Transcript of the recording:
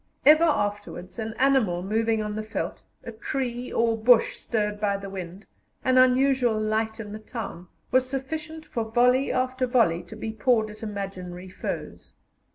Ever afterwards an animal moving on the veldt, a tree or bush stirred by the wind, an unusual light in the town, was sufficient for volley after volley to be poured at imaginary foes.